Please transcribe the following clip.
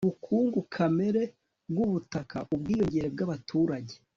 ubukungu kamere bw'ubutaka, ubwiyongere bw'abaturage